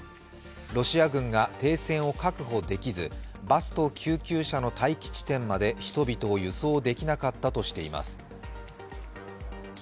ロシア軍が停戦を確保できずバスと救急車の待機地点まで人々を輸送できなかったとしています。